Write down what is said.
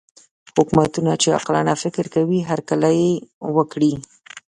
حکومتونه چې عاقلانه فکر کوي هرکلی وکړي.